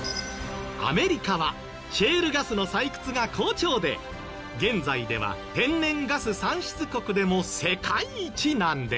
アメリカはシェールガスの採掘が好調で現在では天然ガス産出国でも世界一なんです。